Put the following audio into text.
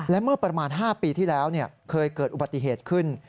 และเมื่อประมาณ๕ปีที่แล้วเคยเกิดอุบัติเหตุขึ้น